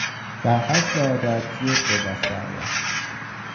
برحسب عادت زود به بستر رفت.